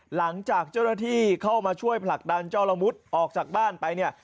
หลังจากเจ้าหน้าที่เข้ามาช่วยผลักดันเจ้าละมุดออกจากบ้านไปเนี่ย